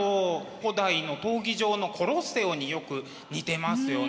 古代の闘技場のコロッセオによく似てますよね。